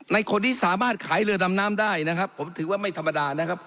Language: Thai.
คนที่สามารถขายเรือดำน้ำได้นะครับผมถือว่าไม่ธรรมดานะครับ